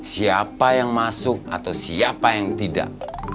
siapa yang masuk atau siapa yang tidak